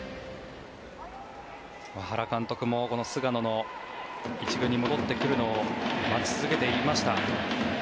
原監督も菅野が１軍に戻ってくるのを待ち続けていました。